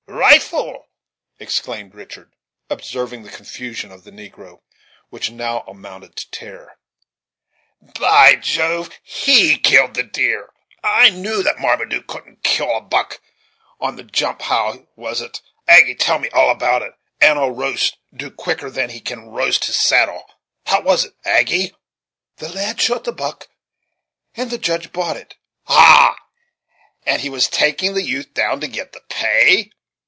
"Rifle!" exclaimed Richard, observing the confusion of the negro, which now amounted to terror. "By Jove, he killed the deer! I knew that Marmaduke couldn't kill a buck on the jump how was it, Aggy? Tell me all about it, and I'll roast 'Duke quicker than he can roast his saddle how was it, Aggy? the lad shot the buck, and the Judge bought it, ha! and he is taking the youth down to get the pay?"